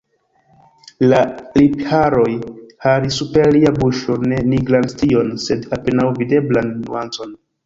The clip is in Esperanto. La lipharoj faris super lia buŝo ne nigran strion, sed apenaŭ videblan nuancon.